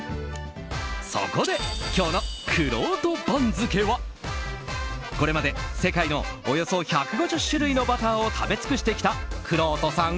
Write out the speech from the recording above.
そこで今日のくろうと番付はこれまで世界のおよそ１５０種類のバターを食べ尽くしてきたくろうとさん